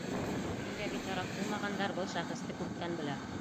Дингә битараф булмағандар был шәхесте күптән белә.